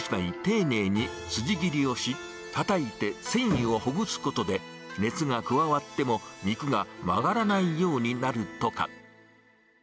肉は一枚一枚丁寧にすじ切りをし、たたいて繊維をほぐすことで、熱が加わっても肉が曲がらないようになるとか。